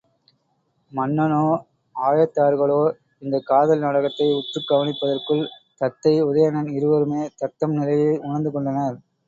மன்னனோ, ஆயத்தார்களோ இந்தக் காதல் நாடகத்தை உற்றுக் கவனிப்பதற்குள் தத்தை, உதயணன் இருவருமே தத்தம்நிலையை உணர்ந்து கொண்டனர்.